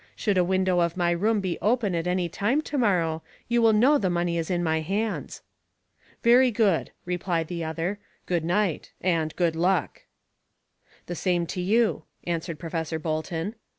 Should a window of my room be open at any time to morrow, you will know the money is in my hands." "Very good," replied the other. "Good night and good luck." "The same to you," answered Professor Bolton.